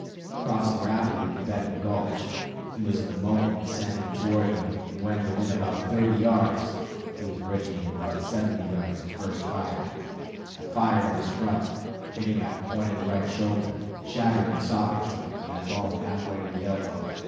Crossing rapidly the bed of the gulch, he was in a moment ascending toward me, and when within about thirty yards (he was originally about seventy yards at the first fire) I fired at his front, hitting at the point of the right shoulder, shattering the socket joint and that bone half way to the elbow.